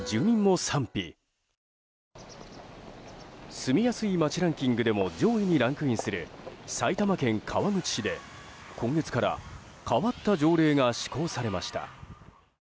住みやすい街ランキングでも上位にランクインする埼玉県川口市で今月から変わった条例が施行されました。